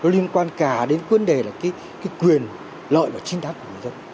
liên quan cả đến vấn đề quyền lợi và chính đáng của người dân